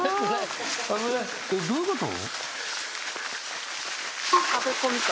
えっどういうこと？